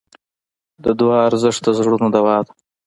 د دعا ارزښت د زړونو دوا ده.